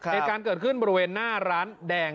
เหตุการณ์เกิดขึ้นบริเวณหน้าร้านแดง